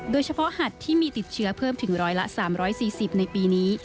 โดยเฉพาะหัดที่มีติดเชื้อเพิ่มถึง๑๐๐ละ๓๔๐ในปีนี้